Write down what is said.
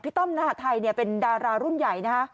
พี่ต้อมหน่อยพี่ต้อมนาฮัทย์ไทยเป็นดารารุ่นใหญ่นะคะ